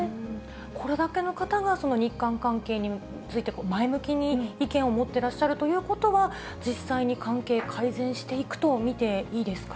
これだけの方が日韓関係について前向きに意見を持ってらっしゃるということは、実際に関係改善していくと見ていいですか。